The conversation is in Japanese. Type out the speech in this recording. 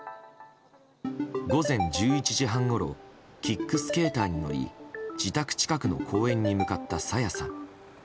午前１１時半ごろキックスケーターに乗り自宅近くの公園に向かった朝芽さん。